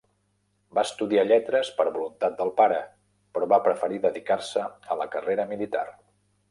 Va estudiar Lletres, per voluntat del pare, però va preferir dedicar-se a la carrera militar.